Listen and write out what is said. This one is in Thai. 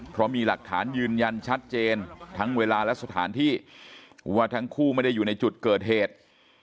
เพราะมีหลักฐานยืนยันชัดเจนทั้งเวลาและสถานที่ว่าทั้งคู่ไม่ได้อยู่ในจุดเกิดเหตุ